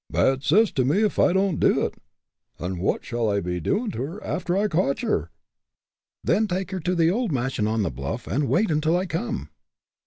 "Bad 'cess to me if I don't do it. An' what shall I be doin' to her after I cotch 'er?" "Then take her to the old mansion on the bluff and wait until I come."